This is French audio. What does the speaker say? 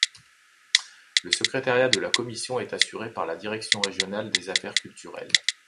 Le secrétariat de la commission est assuré par la direction régionale des affaires culturelles.